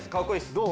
どう？